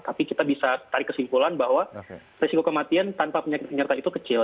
tapi kita bisa tarik kesimpulan bahwa resiko kematian tanpa penyakit penyerta itu kecil